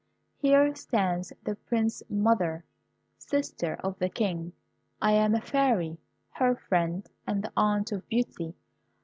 Here stands the Prince's mother, sister of the King. I am a Fairy, her friend, and the aunt of Beauty.